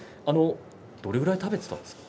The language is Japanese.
どれぐらい食べていたんですか？